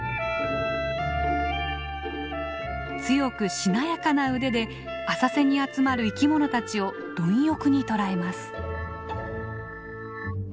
強くしなやかな腕で浅瀬に集まる生きものたちを貪欲に捕らえます。